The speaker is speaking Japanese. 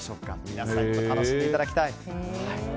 皆さんにも楽しんでいただきたい。